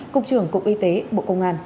cục trưởng cục y tế bộ công an